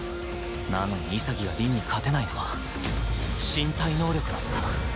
なのに潔が凛に勝てないのは身体能力の差！